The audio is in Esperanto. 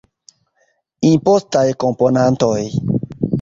Impostaj komponantoj.